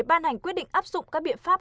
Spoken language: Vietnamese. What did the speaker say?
ban hành quyết định áp dụng các biện pháp